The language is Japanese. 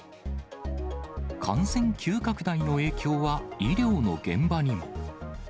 感染急拡大の影響は、医療の現場にも。